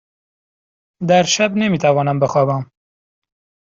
در شب نمی توانم بخوابم.